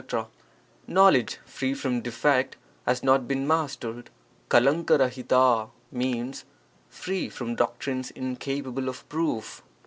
— Knowledge free from defect has not been mastered; cbd^fijdl means 'free from doctrines incapable of proof.'